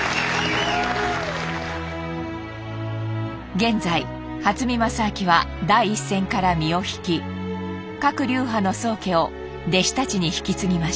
現在初見良昭は第一線から身を引き各流派の宗家を弟子たちに引き継ぎました。